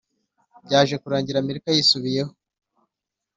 byaje kurangira amerika yisubiyeho.